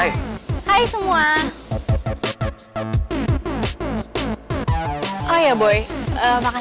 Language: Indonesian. masalah lo sama alex udah selesai kan